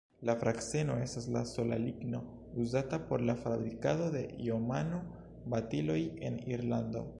La frakseno estas la sola ligno uzata por la fabrikado de iomano-batiloj en Irlando.